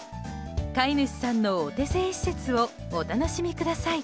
飼い主さんのお手製施設をお楽しみください。